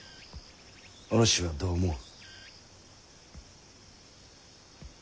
お主はどう思う？